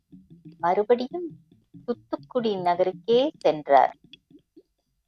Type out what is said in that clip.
மறுபடியும் துத்துக்குடி நகருக்கே சென்றார்.